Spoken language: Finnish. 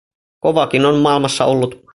Kovaakin on maailmassa ollut.